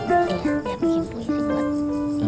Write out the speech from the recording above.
eh yang bikin puisi